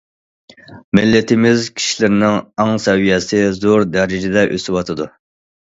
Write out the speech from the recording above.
مىللىتىمىز كىشىلىرىنىڭ ئاڭ سەۋىيەسى زور دەرىجىدە ئۆسۈۋاتىدۇ.